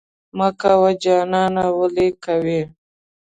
مه کوه جانانه ولې کوې؟